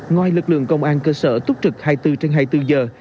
ngoài lực lượng công an cơ sở túc trực hai mươi bốn trên hai mươi bốn giờ